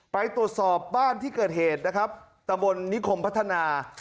ไปตรวจสอบบ้านที่เกิดเหตุนะครับตะบนนิคมพัฒนา